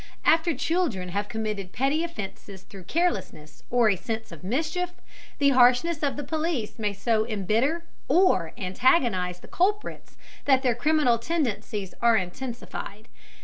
After children have committed petty offenses through carelessness or a sense of mischief, the harshness of the police may so embitter or antagonize the culprits that their criminal tendencies are intensified.